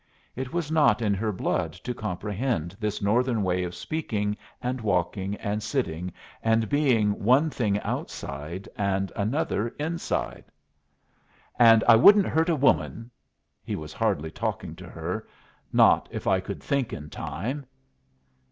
It was not in her blood to comprehend this Northern way of speaking and walking and sitting, and being one thing outside and another inside. "And I wouldn't hurt a woman" he was hardly talking to her "not if I could think in time."